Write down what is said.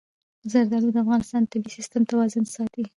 زردالو د افغانستان د طبعي سیسټم توازن ساتي.